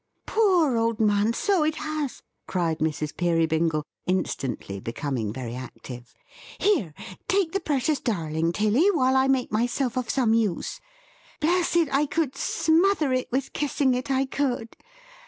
"Poor old man, so it has!" cried Mrs. Peerybingle, instantly becoming very active. "Here! Take the precious darling, Tilly, while I make myself of some use. Bless it, I could smother it with kissing it; I could!